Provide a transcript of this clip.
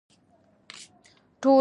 ټولې خواوې علمي استدلال ته غاړه کېږدي.